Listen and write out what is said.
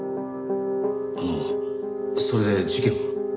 あのそれで事件は？